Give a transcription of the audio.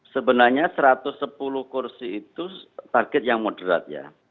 sebenarnya satu ratus sepuluh kursi itu target yang moderat ya